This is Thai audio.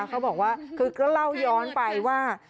เขาบอกว่าคือก็เล่าย้อนไปว่า